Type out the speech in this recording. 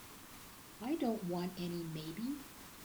I don't want any maybe.